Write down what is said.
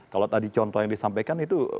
kalau tadi contoh yang disampaikan itu